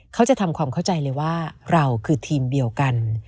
เขาจะทำความเข้าใจเลยว่าเราคือทีมเดียวกัน